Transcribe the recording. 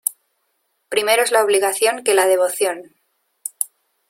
Primero es la obligación que la devoción.